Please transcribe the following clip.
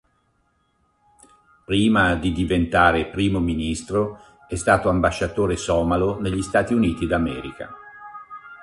Prima di diventare Primo Ministro è stato ambasciatore somalo negli Stati Uniti d'America.